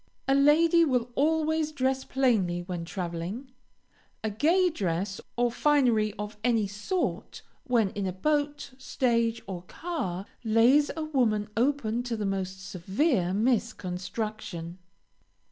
A lady will always dress plainly when traveling. A gay dress, or finery of any sort, when in a boat, stage, or car, lays a woman open to the most severe misconstruction.